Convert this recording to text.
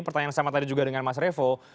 pertanyaan yang sama tadi juga dengan mas revo